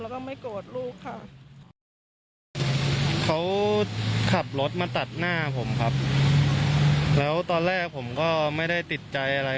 กันหึ้นข้อจริงเป็นยังไงครับเออไปต่อประมาณการจับหน้าเห่ย